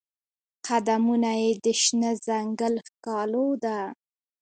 قدمونه یې د شنه ځنګل ښکالو ده